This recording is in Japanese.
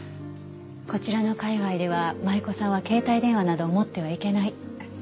こちらの界隈では舞妓さんは携帯電話などを持ってはいけない。